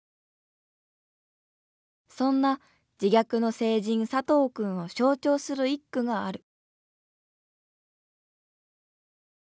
そんな自虐の聖人・佐藤くんを象徴する一句がある。